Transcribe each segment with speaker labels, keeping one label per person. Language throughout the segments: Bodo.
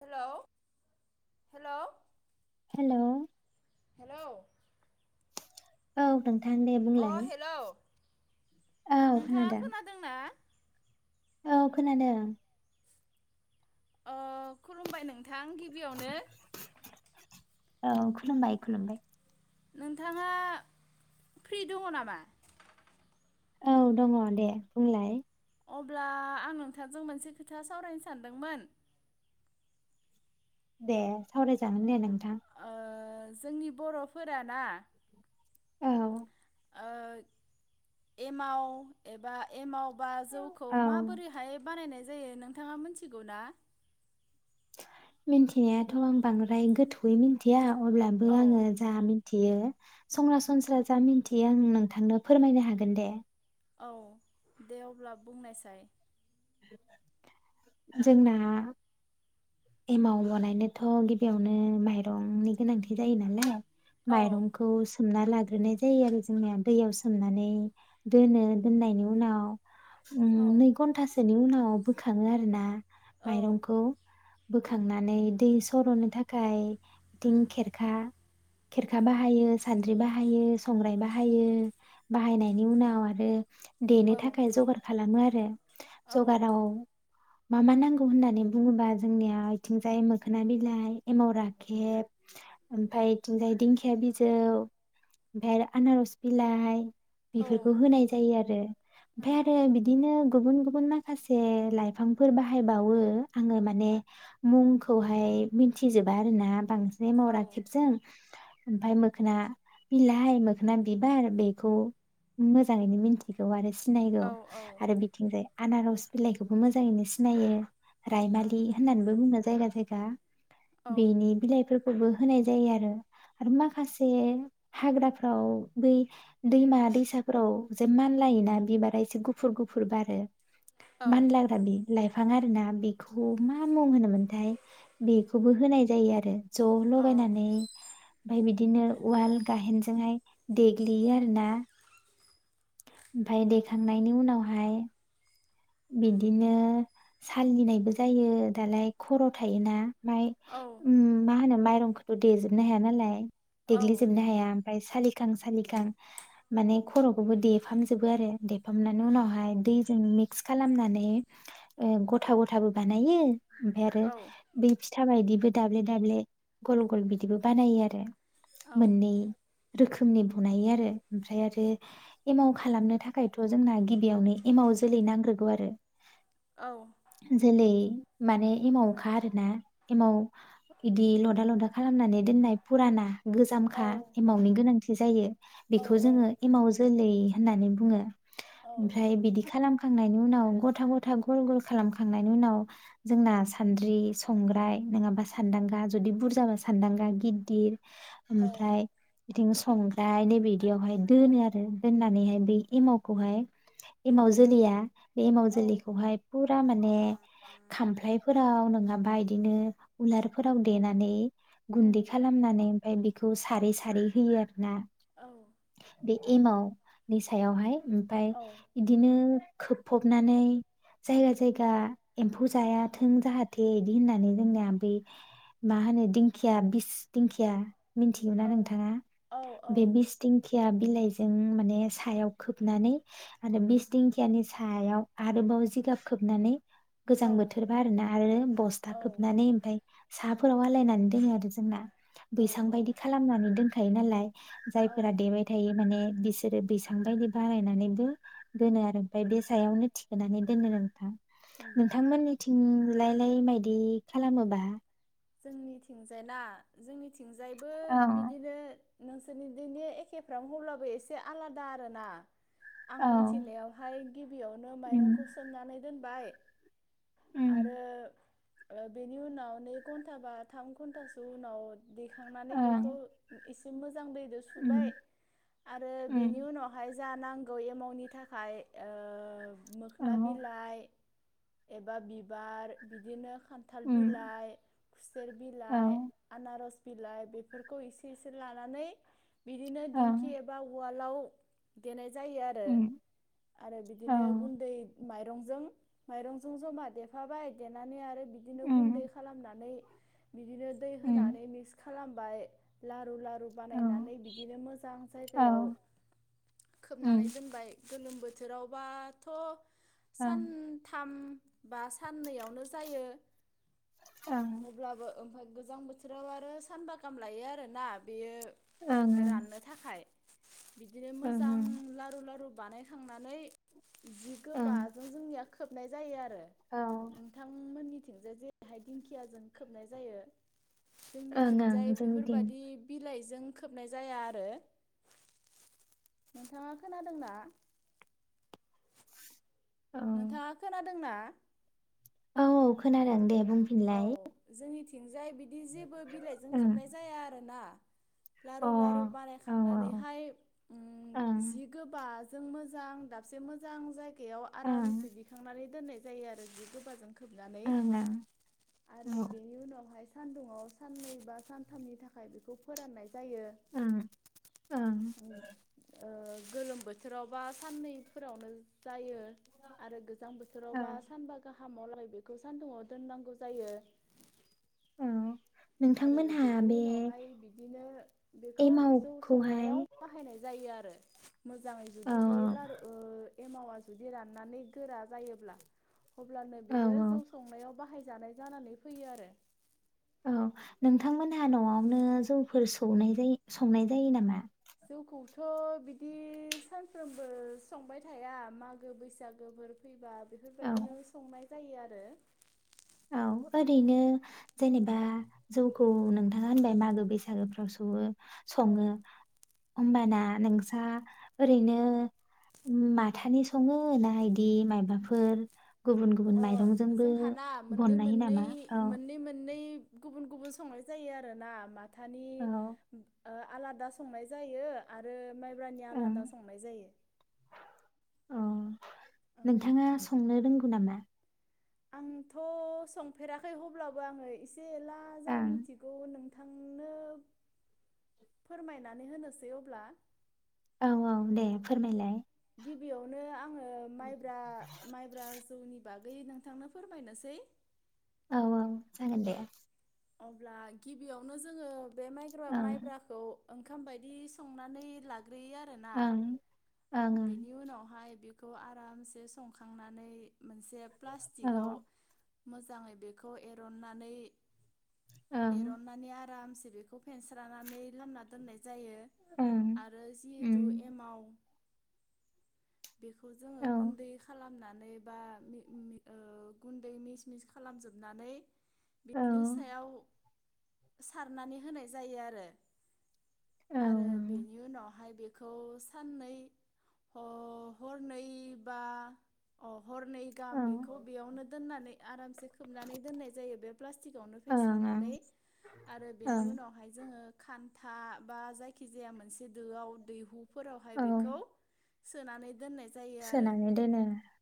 Speaker 1: हेल' हेल'
Speaker 2: हेल'
Speaker 1: औ
Speaker 2: औ नोंथां दे बुंलाय औ
Speaker 1: नोंथाङा
Speaker 2: खोनादों
Speaker 1: खोनादोंना?
Speaker 2: औ खोनादों।
Speaker 1: ओ खुलुमबाय नोंथां गिबियावनो
Speaker 2: औ खुलुमबाय खुलुमबाय
Speaker 1: नोंथाङा फ्रि दङ नामा?
Speaker 2: औ दङ दे बुंलाय।
Speaker 1: अब्ला आं नोंथांजों मोनसे खोथा सावरायनो सानदोंमोन।
Speaker 2: दे सावरायजागोन दे नोंथां।
Speaker 1: ओ जोंनि ब'र फोरा ना
Speaker 2: औ
Speaker 1: ओ एमाव एबा एमाव बा जौखौ
Speaker 2: औ
Speaker 1: माबोरैहाय बानायनाय जायो नोंथाङा मिथिगौ ना?
Speaker 2: मिथिनायाथ' आं बांद्राय गोथौयै मिथिया। अब्लाबो
Speaker 1: औ
Speaker 2: आङो जा मि मिथियो संरासनस्रा जा मिन्थियो आं नोंथांनो फोरमायनो हागोन दे।
Speaker 1: औ दे अब्ला बुंनायसाय
Speaker 2: जोंना एमाव बनायनोथ' गिबियावनो माइरंनि गोनांथि जायो नालाय।
Speaker 1: औ
Speaker 2: माइरंखौ सोमना लाग्रोनाय जायो आरो जोंनिया दैयाव सोमनानै दोनो दोननायनि उनाव उम
Speaker 1: औ
Speaker 2: नै घन्टासोनि उनाव बोखाङो आरोना [inaudible]
Speaker 1: औ
Speaker 2: माइरंखौ बोखांनानै दै सर'नो थाखाय बिथिं खेरखा खेरखा बाहायो, सान्द्रि बाहायो, संग्राय बाहायो। बाहायनायनि उनाव आरो देनो
Speaker 1: औ
Speaker 2: थाखाय जगार खालामो आरो
Speaker 1: औ
Speaker 2: जगाराव मा मा नांगौ होननानै बुङोबा, जोंनिया इथिंजाय मोखोना बिलाइ, एमाव राखेब, ओमफाय इथिंजाय दिंखिया बिजौ, ओमफाय आनारस बिलाइ
Speaker 1: औ
Speaker 2: बेफोरखौ होनाय जायो आरो
Speaker 1: उम
Speaker 2: ओमफाय आरो बिदिनो गुबुन गुबुन माखासे लाइफां फोर बाहायबावो आङो माने मुंखौहाय मिनथि जोबा आरो ना बांसिन एमाव
Speaker 1: औ
Speaker 2: राखेबजों ओमफाय मोखोना बिलाइ, मोखोना बिबार बेखौ मोजाङैनो मिथिगौ आरो सि
Speaker 1: औ
Speaker 2: सिनायगौ
Speaker 1: औ
Speaker 2: आरो बिथिंजाय आनारस बिलाइखौबो मोजाङैनो सि सिनायो। रायमालि
Speaker 1: उम उम
Speaker 2: होननानैबो बुङो। जायगा जायगा गा
Speaker 1: औ
Speaker 2: बेनि बिलाइफोर फोरबो होनाय जायो आरो आरो माखासे हाग्राफ्राव दै, दैमा-दैसाफोराव जे मानलायोना बिबारा एसे गुफुर गुफुर बारो
Speaker 1: औ
Speaker 2: मानलाग्रा बि लाइफां आरोना बेखौ मा मुं होनोमोनथाय? बेखौबो होनाय जायो आरो ज
Speaker 1: औ
Speaker 2: लगायनानै। ओमफाय बिदिनो उवाल गाहेनजोंहाय देग्लियो आरोना। ओमफाय दैखांनायनि उनावहाय बिदिनो सालिनायबो जायो दालाय खर थायोना। ओमफाय
Speaker 1: औ
Speaker 2: उम मा होनो माइरंखौथ' देजोबनो हाया नालाय। देग्लि
Speaker 1: औ
Speaker 2: जोबनो हाया। ओमफ्राय सालिखां सालिखां माने खरखौबो देफामजोबो आरो देफामनानै
Speaker 1: उम
Speaker 2: उनावहाय दैजों मि मिक्स खालामनानै ओ गथा गथाबो बानायो ओमफाय आरो
Speaker 1: औ
Speaker 2: बे फि फिया बायदिबो दाब्ले -दाब्ले गल गल बिदिबो बानायो आरो
Speaker 1: औ
Speaker 2: मोननै। रोखोमनि बनायो आरो ओमफ्राय आरो एमाव खालामनो थाखायथ जोंना गिबियावनो एमाव जोलै नांगौ ग्रोगो आरो।
Speaker 1: औ
Speaker 2: जोलै माने एमावखा आरोना एमाव बिदि लदा लदा खालामनानै दोननाय फुराना
Speaker 1: औ
Speaker 2: गोजामखा एमावनि गोनांथि जायो
Speaker 1: औ
Speaker 2: बेखौ जोङो एमाव जोलै होननानै बुङो।
Speaker 1: औ
Speaker 2: ओमफ्राय बिदि खालाम खांनायनि उनाव गथा गथा गल गल खालामखांनायनि उनाव जोंना सान्द्रि संग्राय नङाबा सान्दांगा जुदि बुरजाबा सान्दांगा गिददिर
Speaker 1: औ
Speaker 2: ओमफ्राय बिदिनो संग्राय नैबे बिदियावहाय दोनो‌ आरो दोननानैहाय बै एमावखौहाय जोलैया बे माव जुलिखौहाय फुरा माने खामफ्लायफोराव नङाबा बिदिनो उलारफोराव देनानै गुन्दै
Speaker 1: उम
Speaker 2: खालामनानै ओमफ्राय बेखौ सारै सारै होयो आरो ना
Speaker 1: औ
Speaker 2: बे एमावनि सायावहाय ओमफाय
Speaker 1: औ
Speaker 2: बिदिनो खोबफबनानै जायगा जायगा एम्फौ जायाथों जाहाथे बिदि होननानै जोंनिया बै मा होनो दिंखिया बिस दिंखिया मिन्थिगौ ना नोंथाङा बे बिस दिंखिया बिलाइजों माने सायाव खोबनानै आरो बिस दिं सिखियानि सायाव आरोबाव जिगाब खोबनानै
Speaker 1: औ
Speaker 2: गोजां बोथोरबा आरोना आरो बस्था
Speaker 1: औ
Speaker 2: खोबनानै ओमफाय साहाफोराव आलायनानै दोनङो आरो जोंना बैसां
Speaker 1: औ
Speaker 2: बायदि खालामनानै दोनथों थायो नालाय जायफोरा देबाय थायो माने बिसोरो बैसां बायदि बारायनानैबो दोनो आरो ओमफ्राय बे सायावनो थिखोनानै दोनो नोंथां।
Speaker 1: उम
Speaker 2: नोंथांमोननिथिं लाय लाय बायदि खालामोबा?
Speaker 1: जोंनिथिंजाय ना जोंनि थिंजायबो
Speaker 2: औ
Speaker 1: बिदिनो नोंसोरनि दिनि एखेफ्रामनो हब्लाबो एसे आलादा आर ना आं
Speaker 2: औ
Speaker 1: मोनथिनायावहाय गिबियावनो
Speaker 2: उम
Speaker 1: माइरंखौ सोमनानै दोनबाय
Speaker 2: उम
Speaker 1: आरो बेनि उनावनो घन्टा बा थाम घन्टासो उनाव देखांनानै बेखौ एसे मो दैजो सुबाय आरो
Speaker 2: उम
Speaker 1: बिनि उनावहाय जा नांगौ एमाउन्टनि थाखाय मोखना बिलाइ एबा बिबार बिदिनो खान्थाल
Speaker 2: उम
Speaker 1: बिलाइ खुसेर
Speaker 2: औ
Speaker 1: बिलाइ आनारस बिलाइ बेफोरखौ एसे एसे लानानै बिदिनो
Speaker 2: औ
Speaker 1: दिंखि एबा उवाल [unintelligible] देनाय जायो आरो
Speaker 2: ओं
Speaker 1: आरो बिदिनो
Speaker 2: ओं
Speaker 1: गुन्दै माइरंजों-माइरंजों जमा देफाबाय देनानै आरो बिदिनो गुन्दै खालामनानै बिदिनो दै होनानै मिक्स खालामबाय लारु लारु बानायनानै बिदिनो मोजां जायगायाव खोबनानै दोनबाय गोलोम बोथोरावबाथ सानथाम बा साननैयावनो जायो। अब्लाबो ओमफाय गोजां बोथोराव आरो सानबा गाहाम लायो आरोना बेयो राननो थाखाय बिदिनो मोजां लारु लारु बानायखांनानै जि गोबाजों जोंनिया खोबनाय जायो आर [unintelligible] नोंथांमोननि [unintelligible] दिंखि याजों खोबनाय जायो जोंनिथिंजाय
Speaker 2: जोंनिथिं
Speaker 1: बेफोरबायाददि बिलाइ जों खोबनाय जाया आरो नोंथाङा खोनादोंना?
Speaker 2: औ
Speaker 1: नोंथाङा खोनादोंना?
Speaker 2: औ खोनादों दे बुंफिनलाय
Speaker 1: जाय बिदि जेबो बिलाइजों
Speaker 2: ओं
Speaker 1: खोबनाय जाया आरो ना
Speaker 2: अ औ
Speaker 1: लारु लारु
Speaker 2: औ ओं
Speaker 1: बानायखांनानैहाय उम
Speaker 2: ओं
Speaker 1: जि गोबा जों मोजां दाबसे मोजां जायगा बेयाव
Speaker 2: ओं
Speaker 1: आरामसे दिखांनानै दोननाय जायो आरो जि गोबाजों खोबनानै
Speaker 2: ओं औ
Speaker 1: आरो बिनि उनाव हाय सान्दुंआव साननै बा सानथामनि थाखाय बेखौ फोराननाय जायो
Speaker 2: ओं ओं
Speaker 1: ओम ओ गोलोम बोथोरावबा साननैफोरावनो जायो आरो गोजां बोथोरावबा
Speaker 2: ओं
Speaker 1: सानबा गाहाम आलागै बेखौ सानदुुंआव दोननांगौ जायो।
Speaker 2: औ
Speaker 1: आरो
Speaker 2: नोंथांमोनहा
Speaker 1: बेनि
Speaker 2: बे
Speaker 1: उनावहाय बिदिनो बेखौ जौ
Speaker 2: एमावखौहाय
Speaker 1: संनायाव बाहायनाय जायो आ रो मोजाङै
Speaker 2: औ
Speaker 1: जुदि बे लारु ओ एमावा जुदि राननानै गोरा जायोब्ला। अब्लानो
Speaker 2: औ
Speaker 1: बियो
Speaker 2: औ
Speaker 1: जौ संनायाव बाहाय जानाय जानानै फैयो आरो।
Speaker 2: औ नोंथांमोनहा न'आवनो जौफोर स एवनाय जायो संनाय जायो नामा?
Speaker 1: जौखौथ' बिदि सानफ्रोमबो संबाय थाया मागो बैसागोफोर फैबा
Speaker 2: औ
Speaker 1: बेफोरबायदिनो संनाय जायो आरो
Speaker 2: औ ओरैनो जेनेबा जौखौ नोंथाङा होनबाय मागो बैसागोफ्राव सौवो सङो
Speaker 1: औ
Speaker 2: होमबाना नोंस्रा ओरैनो माथानि सङो ना इदि मायबाफोर गुबुन गुबुन माइरंजोंबो
Speaker 1: आ मोननै
Speaker 2: बनायो
Speaker 1: मोननै
Speaker 2: नामा? औ
Speaker 1: मोननै मोननै गुबुन गुबुन संनाय जायो आरो ना मा थानि
Speaker 2: औ
Speaker 1: आलादा संनाय जायो आरो माइब्रानि
Speaker 2: ओं
Speaker 1: आलादा संनाय जायो
Speaker 2: औ
Speaker 1: ओं
Speaker 2: नोंथाङा संनो रोंग गौ नामा
Speaker 1: आंथ संफेराखै अब्लाबो आङो इसे जेला जा
Speaker 2: ओं
Speaker 1: मिथिगौ नों बिथांनो फोरमायनानै होनोसै अब्ला
Speaker 2: औ औ दे फोरमायलाय
Speaker 1: गिबियावनो आङो ओ माइब्रा माइब्रा जौनि बागै नोंथांनो फोरमायनोसै
Speaker 2: औ औ जागोन दे
Speaker 1: अब्ला गिबियावनो जोङो बे
Speaker 2: ओं
Speaker 1: माइग्रा-माइब्राखौ ओंखाम बायदि संनानै ला ग्रोयो आरोना
Speaker 2: ओं ओं
Speaker 1: बिनि
Speaker 2: ओं
Speaker 1: उनावहाय बेखौ आरामसे संखांनानै मोनसे
Speaker 2: औ
Speaker 1: प्लास्टिकआव मोजाङै बेखौ एर'ननानै
Speaker 2: ओं
Speaker 1: एर'ननानै आरामसे बेखौ फेनस्रानानै लामना दोननाय जायो
Speaker 2: ओं
Speaker 1: आरो
Speaker 2: उम
Speaker 1: जिहेथु एमाव बेखौ जोङो
Speaker 2: औ
Speaker 1: गुन्दै खालामना नै बा मि मि ओ गुनदै मिस मिस खालामजोबनानै
Speaker 2: औ
Speaker 1: सायाव सारनानै होनाय जायो आरो
Speaker 2: औ
Speaker 1: आरो बेनि उनावहाय बेखौ साननै हरनै बा अ हरनै गाहाम
Speaker 2: ओं
Speaker 1: बेखौ बेयावनो दोननानै आरामसे खोबनानै दोननाय जायो बे प्लास्टिक फेनस्रा
Speaker 2: ओं
Speaker 1: नानै आरो
Speaker 2: ओं
Speaker 1: बेनि उनावहाय जोङो खान्था बा जायखिजाया मोनसे दोआव दैहु फोरावहाय
Speaker 2: औ
Speaker 1: बेखौ सोनानै दोननाय जायो आरो
Speaker 2: सोनानै दोनो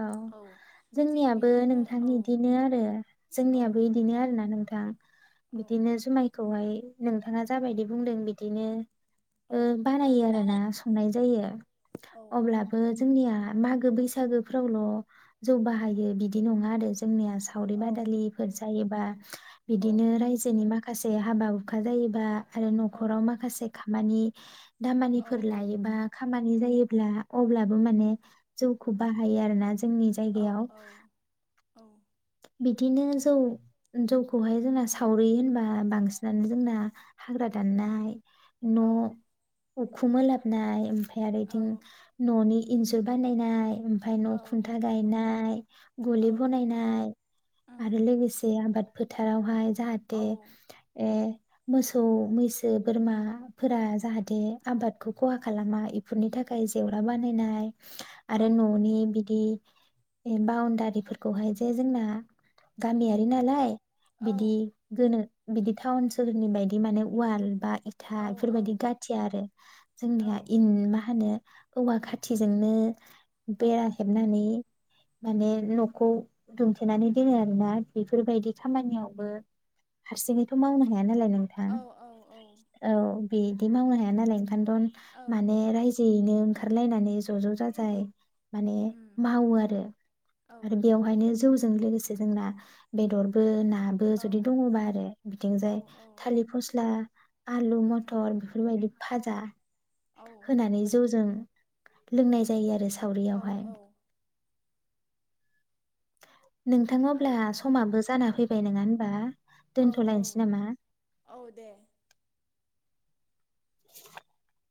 Speaker 2: औ
Speaker 1: थिग
Speaker 2: जोंनियाबो
Speaker 1: बिदिनो
Speaker 2: नोंथां
Speaker 1: औ
Speaker 2: इदिनो आरो
Speaker 1: औ
Speaker 2: जोंनियाबो इदिनो आरोना नोंथां थां
Speaker 1: औ
Speaker 2: बिदिनो जुमायखौहाय नोंथाङा जाबायदि बुंदों बिदिनो ओ
Speaker 1: औ
Speaker 2: बानायो आरोना संनाय जायो
Speaker 1: औ
Speaker 2: अब्लाबो जोंनिया मागो बैसागोफ्रावल' जौ बाहायो बिदि नङा आरो जोंनिया सावरि
Speaker 1: औ
Speaker 2: बादालिफोर जायोबा
Speaker 1: औ
Speaker 2: बिदिनो रायजोनि माखा खासे हाबा हुखा जायोबा आरो न'खराव माखासे खा मानि
Speaker 1: औ
Speaker 2: दामानिफोर लायोबा खामानि नि जायोब्ला अब्ला माने जौखौ बाहायो आरोना जोंनि
Speaker 1: औ
Speaker 2: जायगायाव
Speaker 1: औ
Speaker 2: बिदिनो जौ जौखौहाय जोंना सावरि होनबा बांसिनानो जोंना हाग्रा दाननाय न'
Speaker 1: औ
Speaker 2: उखुम ओलाबनाय आरो
Speaker 1: औ
Speaker 2: इथिं न'नि इन्जुर बानायनाय ओमफाय न'
Speaker 1: औ
Speaker 2: खुन्था गायनाय
Speaker 1: औ
Speaker 2: गलि बनायनाय
Speaker 1: ओम
Speaker 2: आरो लोगोसे आबाद फोथारावहाय जाहाथे
Speaker 1: औ
Speaker 2: ए मोसौ मैसो बोरमाफोरा जाहाथे आबादखौ खहा खालामा इफोरनि थाखाय जेवरा बानायनाय
Speaker 1: औ
Speaker 2: आरो न'नि बिदि ए बाउनदारिफोरखौहाय जे जोंना
Speaker 1: ओम
Speaker 2: गामियारि नालाय
Speaker 1: औ
Speaker 2: बिदि गोनो बिदि टाउन सोहोरनि बायदि माने वाल बा इथा
Speaker 1: औ
Speaker 2: बेफोरबायदि गाथिया आरो जोंनिया मा होनो औवा खाथिजोंनो
Speaker 1: औ
Speaker 2: बेरा हेबनानै माने नखौ दुंथेनानै दिनो आरोना बेफोरबायदि खामानियावबो हारसिङैथ मावनो हाया हाया नालाय नोंथां
Speaker 1: औ औ
Speaker 2: औ। बिदि मावनो हाया नालाय [unintelligible]
Speaker 1: औ
Speaker 2: माने रायजोयैनो ओंखारलायनानै ज ज जाजाय माने
Speaker 1: ओम
Speaker 2: मावो आरो आरो बेयाव जौजों लोगोसे जोना बेदरबो ना नाबो
Speaker 1: औ औ
Speaker 2: जुदि दङबा आरो बिथिंजाय
Speaker 1: औ
Speaker 2: थालिर फस्ला आलु
Speaker 1: ओम
Speaker 2: मथर बेफोरबायदि फाजा
Speaker 1: औ
Speaker 2: होनानै जौजों लोंनाय जायो आरो सावरि
Speaker 1: औ
Speaker 2: आवहाय।
Speaker 1: औ
Speaker 2: नोंथां अब्ला
Speaker 1: ओम
Speaker 2: समाबो जाना फैबाय नङा होनबा
Speaker 1: औ
Speaker 2: दोनथ लायनोसै नामा?
Speaker 1: औ औ दे
Speaker 2: [inaudible]